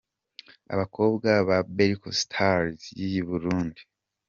Abakobwa ba Berco Stars y'i Burundi.